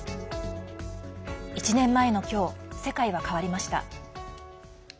１年前の今日世界は変わりました。